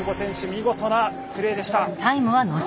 見事なプレーでした。